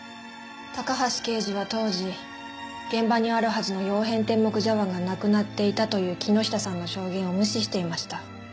高橋刑事は当時現場にあるはずの曜変天目茶碗がなくなっていたという木下さんの証言を無視していました。